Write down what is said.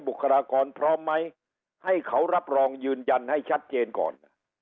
ครากรพร้อมไหมให้เขารับรองยืนยันให้ชัดเจนก่อน